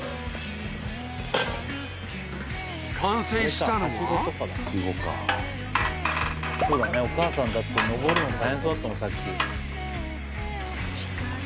完成したのはそうだねお母さんだって上るの大変そうだったもんさっき。